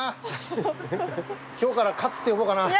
今日から「勝」って呼ぼうかな。